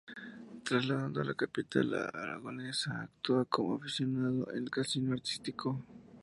Trasladado a la capital aragonesa, actúa, como aficionado, en el Casino Artístico.